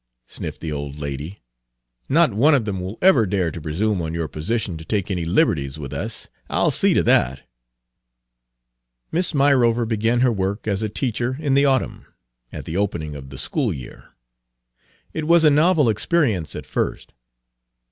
sniffed the old lady. "Not one of them will ever dare to presume on your position to take any liberties with us. I'll see to that." Miss Myrover began her work as a teacher in the autumn, at the opening of the school year. It was a novel experience at first.